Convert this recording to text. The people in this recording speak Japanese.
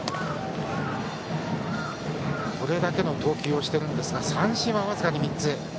これだけの投球をしてますが三振は僅かに３つ。